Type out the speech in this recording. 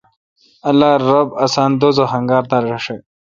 اللہ رب آسان دوزخ انگار دا رݭہ۔